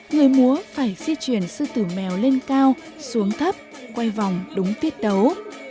người múa phải di chuyển sư tử mèo lên cao xuống thấp quay vòng đúng tiết tấu